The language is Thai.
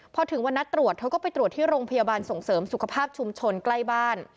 พอถึงวันนัดตรวจเธอก็ไปตรวจที่โรงพยาบาลส่งเสริมสุขภาพชุมชนใกล้บ้าน